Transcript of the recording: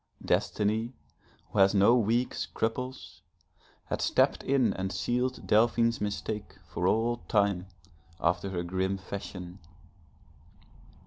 Destiny who has no weak scruples, had stepped in and sealed Delphine's mistake for all time, after her grim fashion.